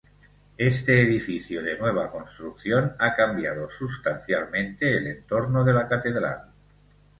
Este edificio de nueva construcción ha cambiado sustancialmente el entorno de la catedral.